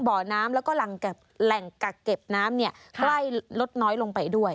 บ่อน้ำแล้วก็แหล่งกักเก็บน้ำเนี่ยใกล้ลดน้อยลงไปด้วย